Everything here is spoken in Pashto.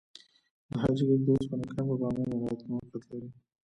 د حاجي ګک د وسپنې کان په بامیان ولایت کې موقعیت لري.